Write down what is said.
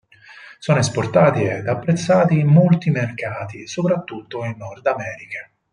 Sono esportati ed apprezzati in molti mercati, soprattutto in Nord America.